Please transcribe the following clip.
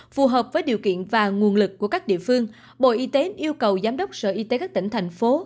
phù hợp với điều kiện và nguồn lực của các địa phương bộ y tế yêu cầu giám đốc sở y tế các tỉnh thành phố